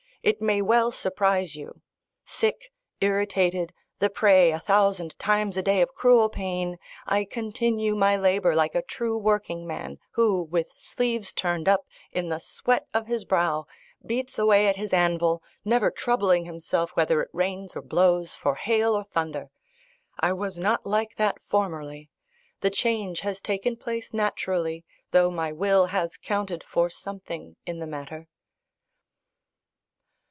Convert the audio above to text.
It may well surprise you. Sick, irritated, the prey a thousand times a day of cruel pain, I continue my labour like a true working man, who, with sleeves turned up, in the sweat of his brow, beats away at his anvil, never troubling himself whether it rains or blows, for hail or thunder. I was not like that formerly. The change has taken place naturally, though my will has counted for something in the matter.